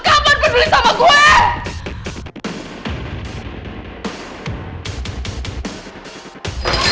kapan peduli sama gue